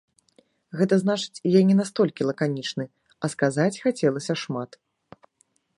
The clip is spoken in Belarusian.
Гэта значыць, я не настолькі лаканічны, а сказаць хацелася шмат.